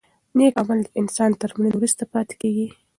نېک عمل د انسان تر مړینې وروسته پاتې کېږي.